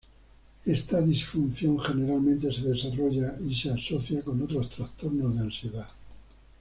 Esta disfunción generalmente se desarrolla y se asocia con otros trastornos de ansiedad.